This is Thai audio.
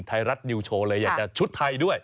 ไทยรัฐนิวโชว์เลยอยากจะชุดไทยด้วย